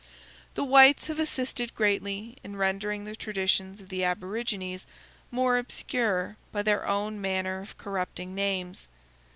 The whites have assisted greatly in rendering the traditions of the Aborigines more obscure by their own manner of corrupting names.